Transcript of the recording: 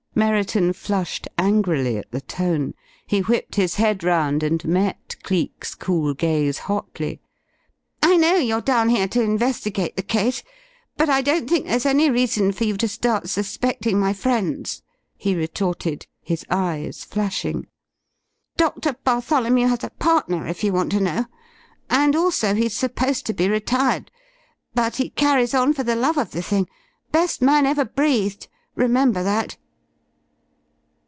Merriton flushed angrily at the tone. He whipped his head round and met Cleek's cool gaze hotly. "I know you're down here to investigate the case, but I don't think there's any reason for you to start suspecting my friends," he retorted, his eyes flashing. "Doctor Bartholomew has a partner, if you want to know. And also he's supposed to be retired. But he carries on for the love of the thing. Best man ever breathed remember that!"